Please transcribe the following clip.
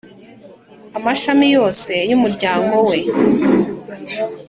Amashami yose y’umuryango we,